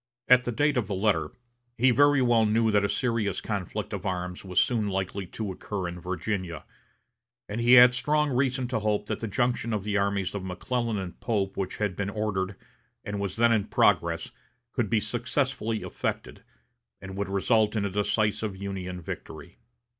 At the date of the letter, he very well knew that a serious conflict of arms was soon likely to occur in Virginia; and he had strong reason to hope that the junction of the armies of McClellan and Pope which had been ordered, and was then in progress, could be successfully effected, and would result in a decisive Union victory.